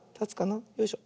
よいしょ。